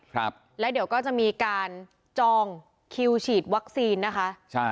ครับแล้วเดี๋ยวก็จะมีการจองคิวฉีดวัคซีนนะคะใช่